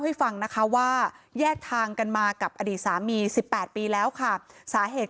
ให้ฟังนะคะว่าแยกทางกันมากับอดีตสามี๑๘ปีแล้วค่ะสาเหตุ